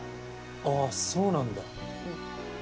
あっそうなんだ。